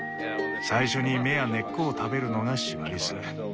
最初に芽や根っこを食べるのがシマリス。